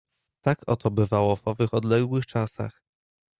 "Tak oto bywało w owych odległych czasach."